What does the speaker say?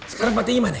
sekarang fatih gimana